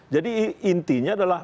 jadi intinya adalah